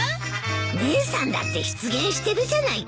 姉さんだって失言してるじゃないか。